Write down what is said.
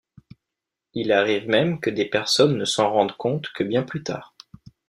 Il arrive même que des personnes ne s'en rendent compte que bien plus tard.